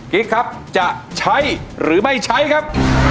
กิ๊กครับจะใช้หรือไม่ใช้ครับ